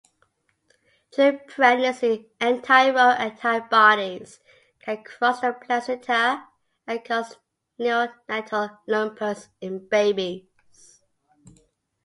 During pregnancy, anti-Ro antibodies can cross the placenta and cause neonatal lupus in babies.